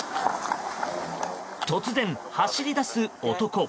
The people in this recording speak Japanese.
突然、走り出す男。